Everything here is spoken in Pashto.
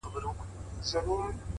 هوښیار انتخاب ستونزې راکموي’